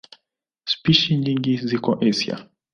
Spishi nyingi ziko Asia.